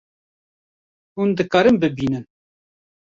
Hûn dikarin bibînin